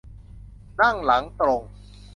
นั่งหลังตรง